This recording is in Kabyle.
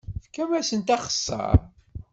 Fkem-asent axeṣṣar.